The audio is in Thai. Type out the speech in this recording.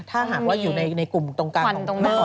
ถ้าหากว่าอยู่ในกลุ่มตรงกลางควันตรงกลางใช่ไหมครับ